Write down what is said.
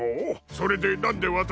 それでなんでわたしに？